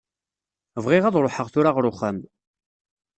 Bɣiɣ ad ruḥeɣ tura ɣer uxxam.